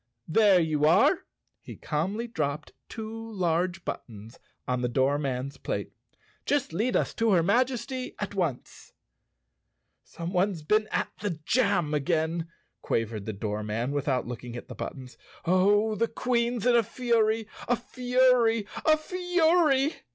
"There you are." He calmly dropped two large but¬ tons on the doorman's plate. "Just lead us to her Maj¬ esty at once." "Someone's been at the jam again," quavered the doorman without looking at the buttons. "Oh, the Queen's in a fury—a fury— a fury!"